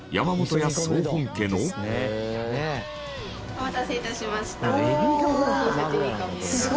お待たせいたしました。